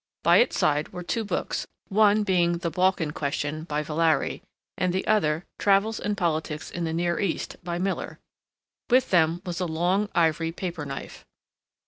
By its side were two books, one being the "Balkan Question," by Villari, and the other "Travels and Politics in the Near East," by Miller. With them was a long, ivory paper knife.